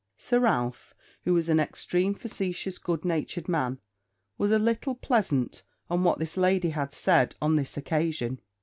Sir Ralph, who was an extreme facetious, good natured man, was a little pleasant on what his lady had said on this occasion.